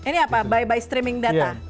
ini apa by by streaming data